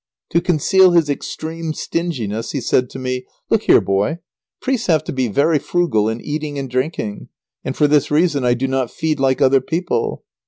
To conceal his extreme stinginess he said to me, "Look here, boy! Priests have to be very frugal in eating and drinking, and for this reason I do not feed like other people."